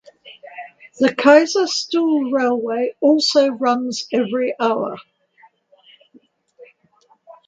The Kaiserstuhl Railway also runs every hour.